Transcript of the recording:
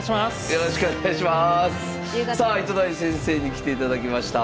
よろしくお願いします。